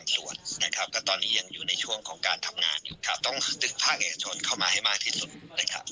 ตอนนี้ยังอยู่ในช่วงของการทำงานต้องซื้อภาคเอกชนเข้ามาให้มากที่สุด